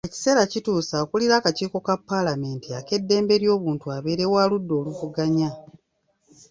Ekiseera kituuse akulira akakiiko ka Paalamenti ak'eddembe ly'obuntu abeere wa ludda oluvuganya.